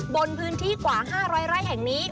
บนพื้นที่กว่า๕๐๐ไร่แห่งนี้